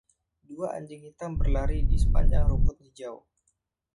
Dua anjing hitam berlari di sepanjang rumput hijau.